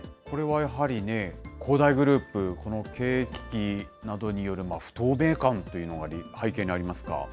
これはやはり、恒大グループ、この経営危機などによる不透明感というのが背景にありますか。